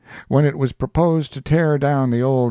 When it was proposed to tear down the old Wm.